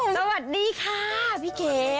สวัสดีค่ะพี่เก๋